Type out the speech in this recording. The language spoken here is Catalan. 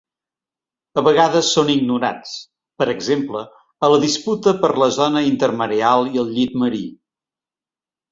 A vegades són ignorats, per exemple a la disputa per la zona intermareal i el llit marí.